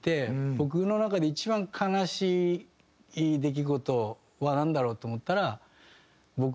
僕の中で一番悲しい出来事はなんだろう？と思ったら。